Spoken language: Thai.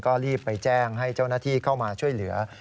ก็รีบไปแจ้งให้เจ้าหน้าที่เข้ามาช่วยเหลือ